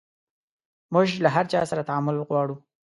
موژ له هر چا سره تعامل غواړو